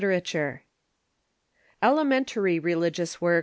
] Elementary religious work.